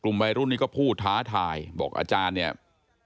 กลุ่มวัยรุ่นก็ตอบไปว่าเอ้าก็จอดรถจักรยานยนต์ตรงแบบเนี้ยมานานแล้วอืม